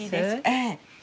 ええ。